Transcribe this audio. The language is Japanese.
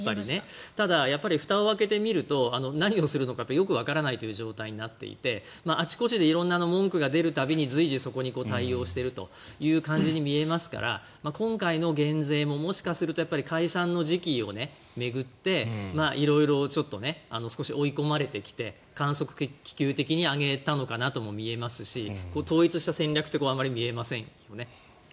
ただ、ふたを開けてみると何をするのかよくわからないという状態になっていてあちこちで色んな文句が出る度に随時対応をしているというように見えますから今回の減税ももしかすると解散の時期を巡って色々、追い込まれてきて観測気球的に上げたのかなと見えますし統一した戦略ってあまり見えませんよね。